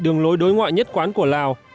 đường lối đối ngoại nhất quán của lào